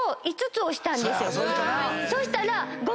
そしたら。